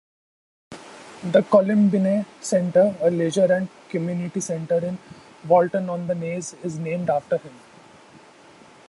The Columbine Centre, a leisure and community centre in Walton-on-the-Naze, is named after him.